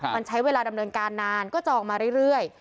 มันใช้เวลาดำเนินการนานก็จองมาเรื่อย